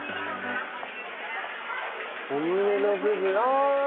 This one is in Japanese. お胸の部分ああ！